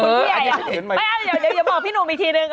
เดี๋ยวบอกพี่หนุ่มอีกทีนึง